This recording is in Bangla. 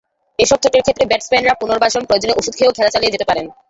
এসব চোটের ক্ষেত্রে ব্যাটসম্যানরা পুনর্বাসন, প্রয়োজনে ওষুধ খেয়েও খেলা চালিয়ে যেতে পারেন।